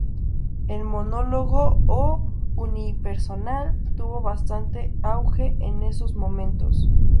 El monólogo o unipersonal tuvo bastante auge en esos momentos.